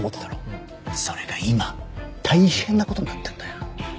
それが今大変な事になってんだよ。